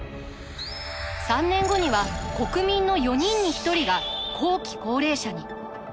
３年後には国民の４人に１人が後期高齢者に。